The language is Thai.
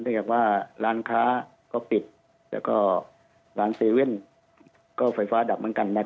ถ้าอย่างว่าร้านค้าก็ปิดแล้วก็ร้านเซเวียนก็ไฟฟ้าดับเหมือนกันนะครับ